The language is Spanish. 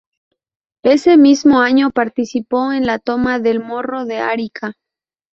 Ese mismo año participó en la toma del Morro de Arica.